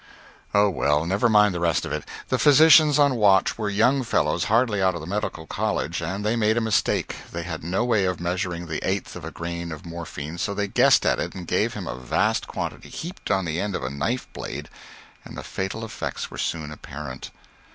Oh well, never mind the rest of it. The physicians on watch were young fellows hardly out of the medical college, and they made a mistake they had no way of measuring the eighth of a grain of morphine, so they guessed at it and gave him a vast quantity heaped on the end of a knife blade, and the fatal effects were soon apparent.